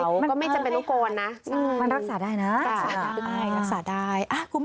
มันก็ไม่จำเป็นต้องโกนนะมันรักษาได้นะรักษาได้รักษาได้